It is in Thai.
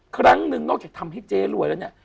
ครั้งนึงนอกจากทำให้เจ๊รวยแล้วเนี่ย